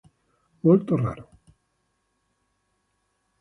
Molto raro.